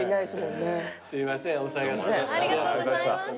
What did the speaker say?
すいませんお騒がせしました。